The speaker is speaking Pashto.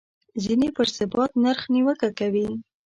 ځینې پر ثابت نرخ نیوکه کوي.